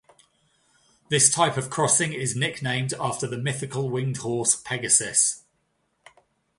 This type of crossing is nicknamed after the mythical winged horse, Pegasus.